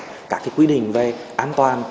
thì nó sẽ các quy định về an toàn